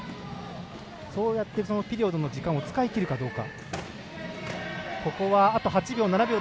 そうやってピリオドの時間を使い切るかどうか。